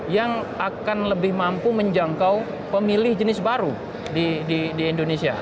yang akan lebih mampu menjangkau pemilih jenis baru di indonesia